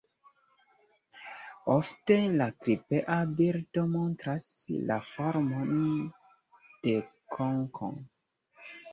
Ofte la klipea bildo montras la formon de konko.